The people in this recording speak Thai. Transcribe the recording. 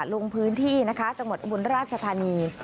ลงพื้นที่จังหวัดอบุญราชธานี